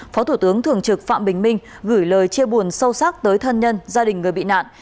phó thủ tướng thường trực phạm bình minh gửi lời chia buồn sâu sắc tới thân nhân gia đình người bị nạn